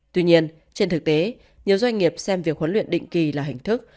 tuy nhiên trên thực tế nhiều doanh nghiệp xem việc huấn luyện định kỳ là hình thức